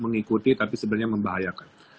mengikuti tapi sebenarnya membahayakan